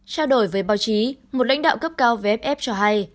trao đổi với báo chí một lãnh đạo cấp cao vff cho hay